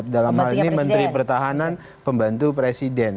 dalam hal ini menteri pertahanan pembantu presiden